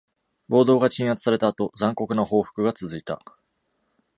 暴動が鎮圧された後、残酷な報復が続いた。